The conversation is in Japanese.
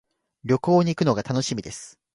旅行に行くのが楽しみです。